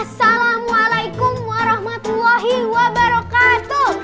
assalamualaikum warahmatullahi wabarakatuh